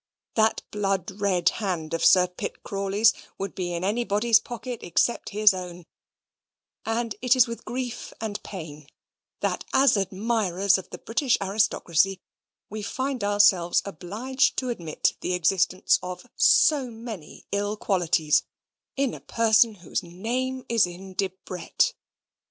That blood red hand of Sir Pitt Crawley's would be in anybody's pocket except his own; and it is with grief and pain, that, as admirers of the British aristocracy, we find ourselves obliged to admit the existence of so many ill qualities in a person whose name is in Debrett.